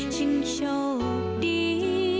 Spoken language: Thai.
ฉันโชคดี